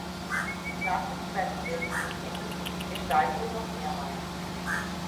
Nach dem Zweiten Weltkrieg änderte sich die Gestaltung noch mehrmals.